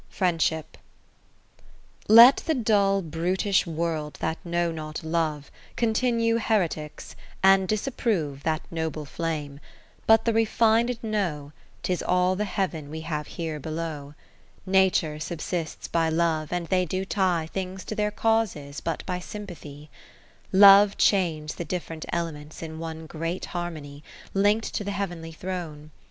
Friendship Let the dull brutish World that know not Love, Continue heretics, and disapprove That noble flame ; but the refined know, 'Tis all the Heaven we have here below. Nature subsists by Love, and they do tie Things to their causes but by sympathy. Love chains the different Elements in one Great harmony, link'd to the Heav'nly Throne.